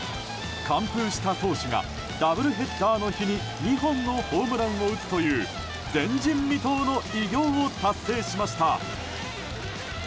完封した投手がダブルヘッダーの日に２本のホームランを打つという前人未到の偉業を達成しました。